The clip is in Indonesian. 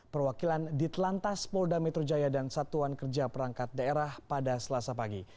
perwakilan di telantas polda metro jaya dan satuan kerja perangkat daerah pada selasa pagi